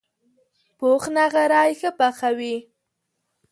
پوخ نغری ښه پخوي